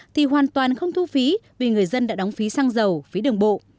thì hoàn toàn không thu phí vì người dân đã đóng phí xăng dầu phí đường bộ